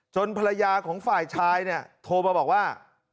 ภรรยาของฝ่ายชายเนี่ยโทรมาบอกว่า